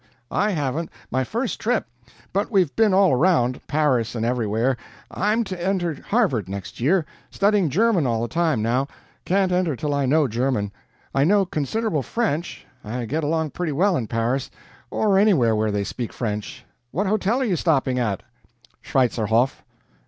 "I haven't. My first trip. But we've been all around Paris and everywhere. I'm to enter Harvard next year. Studying German all the time, now. Can't enter till I know German. I know considerable French I get along pretty well in Paris, or anywhere where they speak French. What hotel are you stopping at?" "Schweitzerhof."